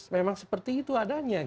memang seperti itu adanya